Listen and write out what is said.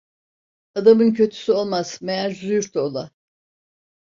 Adamın kötüsü olmaz, meğer züğürt ola.